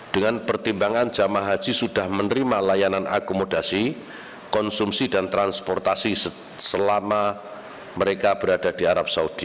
dengan pertimbangan jemaah haji sudah menerima layanan akomodasi konsumsi dan transportasi selama mereka berada di arab saudi